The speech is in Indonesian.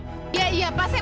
pak berhenti pak pak berhenti